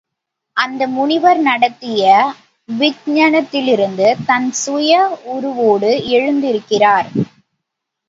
அந்த முனிவர் நடத்திய வக்ஞத்திலிருந்து தன் சுய உருவோடு எழுந்திருக்கிறார்.